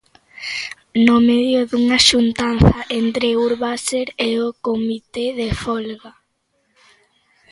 No medio dunha xuntanza entre Urbaser e o comité de folga.